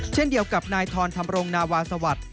เช่นเดียวกับนายทรธรรมรงนาวาสวัสดิ์